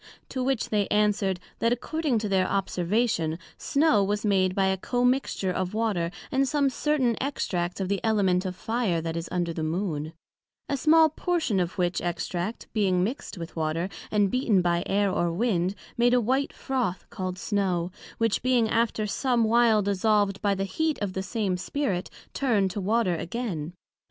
To which they answered That according to their observation, Snow was made by a commixture of Water, and some certain extract of the Element of Fire that is under the Moon; a small portion of which extract, being mixed with Water, and beaten by Air or Wind, made a white Froth called Snow; which being after some while dissolved by the heat of the same spirit, turned to Water again.